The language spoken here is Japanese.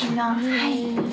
はい。